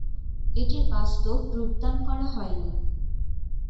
এটির বাস্তব রূপদান করা হয়নি।